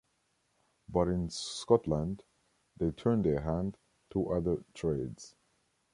But in Scotland, they turned their hand to other trades.